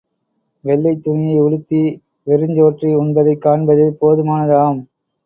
வெள்ளைத்துணியை உடுத்தி, வெறுஞ்சோற்றை உண்பதைக் காண்பதே போதுமானதாம்.